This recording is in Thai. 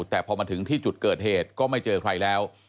แต่พอมาถึงที่จุดเกิดเหตุก็ไม่เจอใครแล้ว